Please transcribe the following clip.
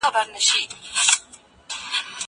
زه اوږده وخت سينه سپين کوم!؟